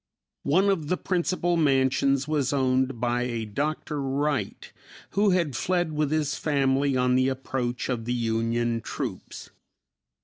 One of the principal mansions was owned by a Dr. Wright who had fled with his family on the approach of the Union troops.